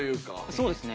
そうですね。